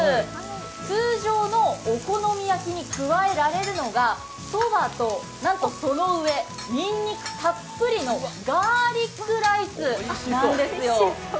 通常のお好み焼きに加えられるのがそばとにんにくたっぷりのガーリックライスなんですよ。